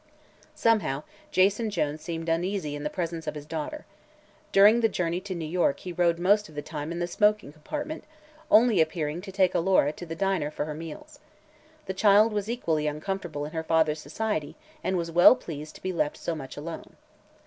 Somehow, Jason Jones seemed uneasy in the presence of his daughter. During the journey to New York he rode most of the time in the smoking compartment, only appearing to take Alora to the diner for her meals. The child was equally uncomfortable in her father's society and was well pleased to be left so much alone.